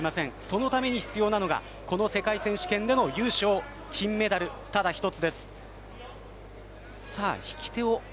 そのために必要なのがこの世界選手権での優勝金メダルただ１つです。